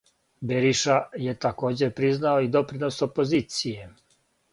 Бериша је такође признао и допринос опозиције.